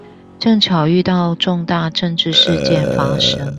正巧遇到重大政治事件發生